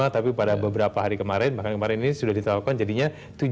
tapi pada beberapa hari kemarin bahkan kemarin ini sudah ditapkan jadinya tujuh tujuh puluh lima